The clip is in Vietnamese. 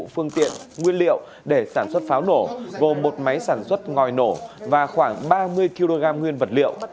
phương tiện nguyên liệu để sản xuất pháo nổ gồm một máy sản xuất ngòi nổ và khoảng ba mươi kg nguyên vật liệu